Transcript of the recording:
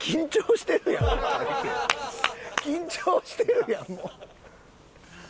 緊張してるやんもう。